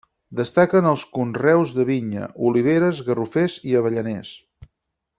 Destaquen els conreus de vinya, oliveres, garrofers i avellaners.